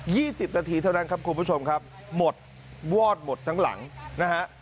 สิบนาทีเท่านั้นครับคุณผู้ชมครับหมดวอดหมดทั้งหลังนะฮะ